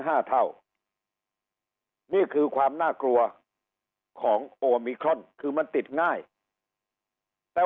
ห้าเท่านี่คือความน่ากลัวของโอมิครอนคือมันติดง่ายแต่